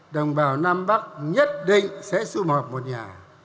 đồng bào nam bắc nhất định sẽ xung hợp một nhà